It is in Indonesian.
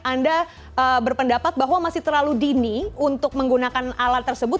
anda berpendapat bahwa masih terlalu dini untuk menggunakan alat tersebut